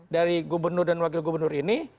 dari gubernur dan wakil gubernur ini